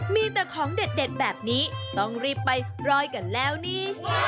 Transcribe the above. มีแต่ของเด็ดแบบนี้ต้องรีบไปรอยกันแล้วนี่